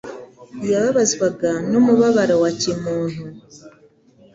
yababazwaga n'umubabaro wa kimuntu.